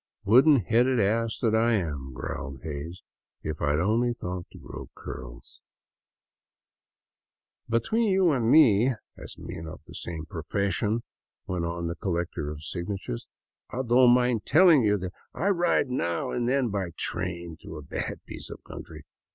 " Wooden headed ass that I am !" growled Hays. '^ If I 'd only thought to grow curls !"" Between you and me, as men of the same profession," went on the collector of signatures, " I don't mind telling you that I ride now and then by train through a bad piece of country.